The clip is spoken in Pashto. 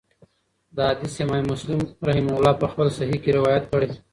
دا حديث امام مسلم رحمه الله په خپل صحيح کي روايت کړی